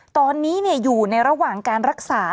ตอนนี้อยู่ในระหว่างการรักษา